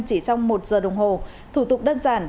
chỉ trong một giờ đồng hồ thủ tục đơn giản